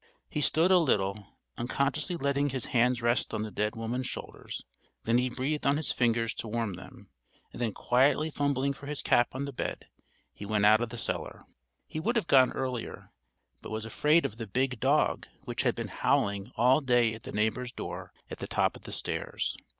He stood a little, unconsciously letting his hands rest on the dead woman's shoulders, then he breathed on his fingers to warm them, and then quietly fumbling for his cap on the bed, he went out of the cellar. He would have gone earlier, but was afraid of the big dog which had been howling all day at the neighbour's door at the top of the stairs.